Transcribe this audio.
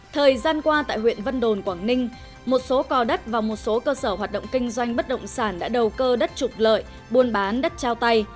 thời gian qua tại huyện vân đồn quảng ninh một số cò đất và một số cơ sở hoạt động kinh doanh bất động sản đã đầu cơ đất trục lợi buôn bán đất trao tay